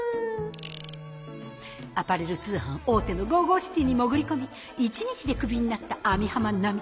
アパレル通販大手のＧＯＧＯＣＩＴＹに潜り込み１日でクビになった網浜奈美。